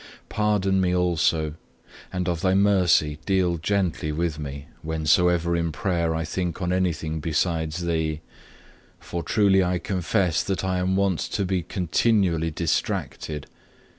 Pardon me also, and of Thy mercy deal gently with me, whensoever in prayer I think on anything besides Thee; for truly I confess that I am wont to be continually distracted.